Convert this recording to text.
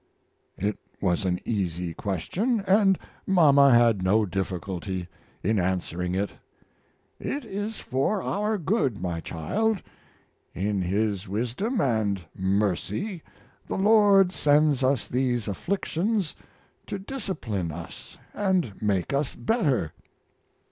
It was an easy question, and mama had no difficulty in answering it: "It is for our good, my child. In His wisdom and mercy the Lord sends us these afflictions to discipline us and make us better."